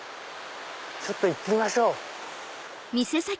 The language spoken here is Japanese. ちょっと行ってみましょう。